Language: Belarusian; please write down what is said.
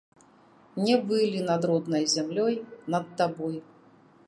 Не вылі над роднай зямлёй, над табой.